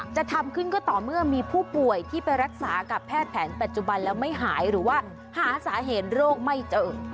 จะทำขึ้นก็ต่อเมื่อมีผู้ป่วยที่ไปรักษากับแพทย์แผนปัจจุบันแล้วไม่หายหรือว่าหาสาเหตุโรคไม่เจอ